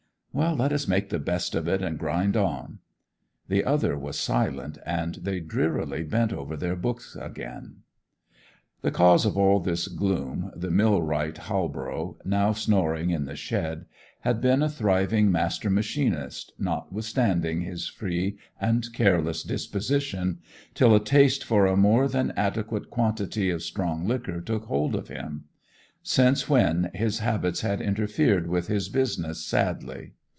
'Let us make the best of it, and grind on.' The other was silent, and they drearily bent over their books again. The cause of all this gloom, the millwright Halborough, now snoring in the shed, had been a thriving master machinist, notwithstanding his free and careless disposition, till a taste for a more than adequate quantity of strong liquor took hold of him; since when his habits had interfered with his business sadly.